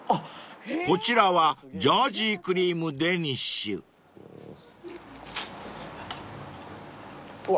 ［こちらはジャージークリームデニッシュ］うわ。